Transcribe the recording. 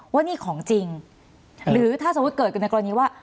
ว่านี่ของจริงหรือถ้าสมมุติเกิดกันในกรณีว่า